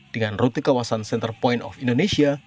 dengan rute kawasan center point of indonesia